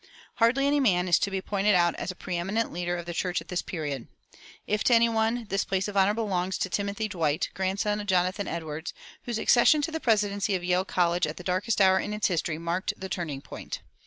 Hardly any man is to be pointed out as a preëminent leader of the church at this period. If to any one, this place of honor belongs to Timothy Dwight, grandson of Jonathan Edwards, whose accession to the presidency of Yale College at the darkest hour in its history marked the turning point.